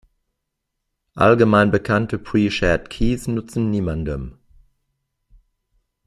Allgemein bekannte Pre-shared keys nutzen niemandem.